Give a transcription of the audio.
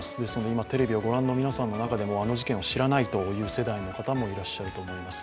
今、テレビを御覧の皆さんの中でもあの事件を知らないという世代の方もいらっしゃると思います。